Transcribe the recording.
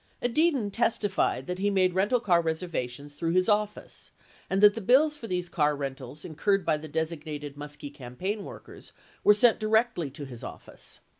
Edidin testified that he made rental car reservations through his office and that the bills for these car rentals incurred by the desig nated Muskie campaign workers were sent directly to his office.